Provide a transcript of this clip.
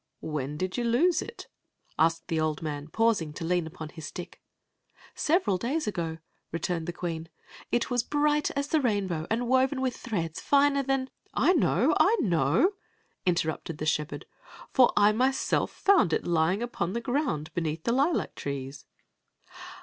" When did you lose it ?" asked the old man, paus ing to lean upon his stick. " Several days 2^, returned the queen. *• It was bright as the rainbow, and woven with threads finer than —"" I know, I know !" interrupted the shepherd, " for I myself found it lying up(m ^ ground benea^ the lilac*trees."